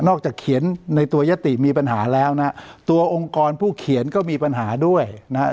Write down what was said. จากเขียนในตัวยติมีปัญหาแล้วนะฮะตัวองค์กรผู้เขียนก็มีปัญหาด้วยนะครับ